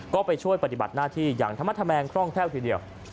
ก็ไปช่วยปฏิบัติหน้าที่อย่างธรรมธแมงคล่องแคล่วทีเดียว